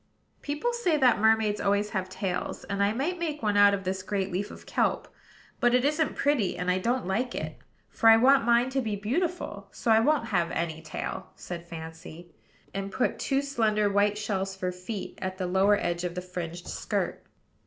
"People say that mermaids always have tails; and I might make one out of this great leaf of kelp. But it isn't pretty, and I don't like it; for I want mine to be beautiful: so I won't have any tail," said Fancy, and put two slender white shells for feet, at the lower edge of the fringed skirt.